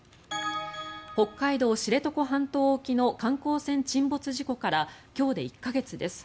北海道・知床半島沖の観光船沈没事故から今日で１か月です。